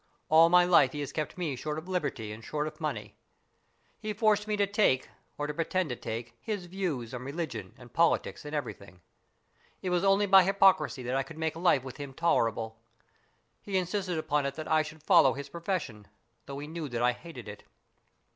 All my life he has kept me short of liberty and short of money. He forced me to take, or to pretend to take, his views in religion and politics and everything. It was only by hypocrisy that I could make life with him tolerable. He insisted upon it that I should follow his profession, although he knew that I hated it.